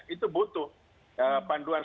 itu butuh panduan